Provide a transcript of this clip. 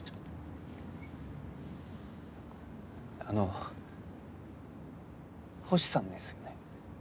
あの星さんですよね？